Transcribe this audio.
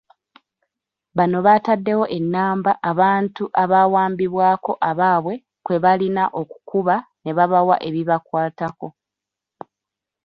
Bano bataddewo ennamba abantu abaawambibwako abaabwe kwe balina okukuba ne babawa ebibakwatako.